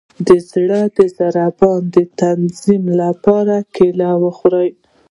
د زړه د ضربان د تنظیم لپاره کیله وخورئ